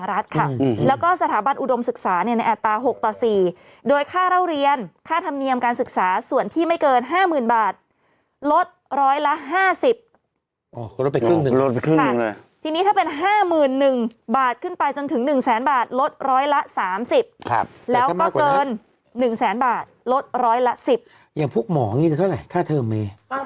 ละ๕๐คือลดเป็นครึ่งหนึ่งลดไปครึ่งหนึ่งเลยที่นี้ถ้าเป็น๕๑บาทขึ้นไปจนถึง๑แสนบาทลดร้อยละ๓๐ครับแล้วก็เกิน๑แสนบาทลดร้อยละ๑๐อย่างพวกหมองี้เท่าไหร่ค่าเทอมเม